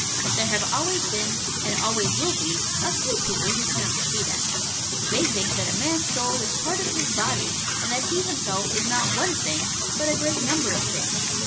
There have always been, and always will be, a few people who cannot see that. They think that a man's soul is part of his body, and that he himself is not one thing, but a great number of things.